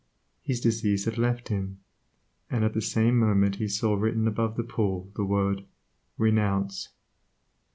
his disease had left him, and at the same moment he saw written above the pool the word "Renounce."